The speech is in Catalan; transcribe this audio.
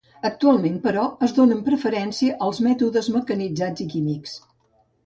Actualment, però, es donen preferència als mètodes mecanitzats i químics.